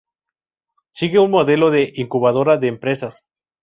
Sigue un modelo de incubadora de empresas.